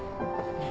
ねっ。